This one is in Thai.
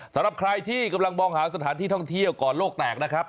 สำหรับใครที่กำลังมองหาสถานที่ท่องเที่ยวก่อนโลกแตกนะครับ